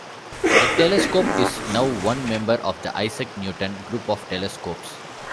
The telescope is now one member of the Isaac Newton Group of Telescopes.